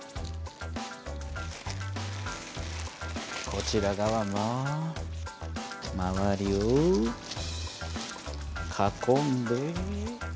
こちら側もまわりを囲んで。